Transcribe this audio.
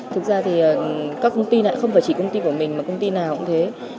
thực ra các công ty này không phải chỉ công ty của mình mà công ty nào cũng thế